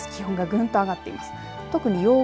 気温がぐんと上がっています。